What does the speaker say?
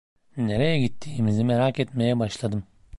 Nereye gittiğimizi merak etmeye başladım.